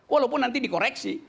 walaupun nanti dikoreksi